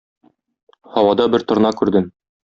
Һавада бер торна күрдем.